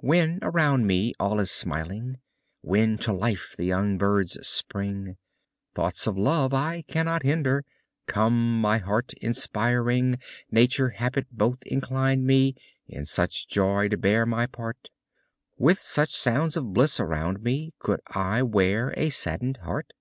When, around me, all is smiling, When to life the young birds spring, Thoughts of love, I cannot hinder, Come, my heart inspiriting Nature, habit, both incline me In such joy to bear my part: With such sounds of bliss around me Could I wear a sadden'd heart?